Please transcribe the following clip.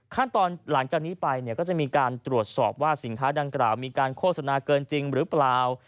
ขั้นตอนหลังจากนี้ไปเนี่ยก็จะมีการตรวจสอบว่าสินค้าดังกล่าวมีการโฆษณาเกินจริงหรือเปล่า